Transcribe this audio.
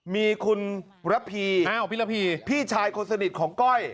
มีคุณระพีพี่ชายคนสนิทของก้อย